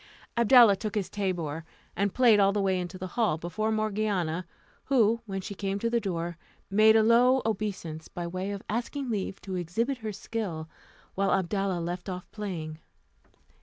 Abdalla took his tabour and played all the way into the hall before Morgiana, who, when she came to the door, made a low obeisance by way of asking leave to exhibit her skill, while Abdalla left off playing.